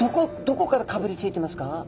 どこからかぶりついてますか？